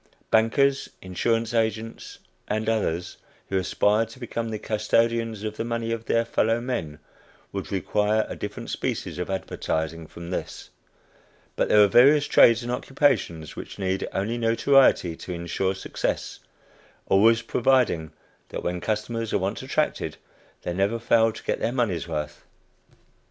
Bankers, insurance agents, and others, who aspire to become the custodians of the money of their fellow men, would require a different species of advertising from this; but there are various trades and occupations which need only notoriety to insure success, always provided that when customers are once attracted, they never fail to get their money's worth.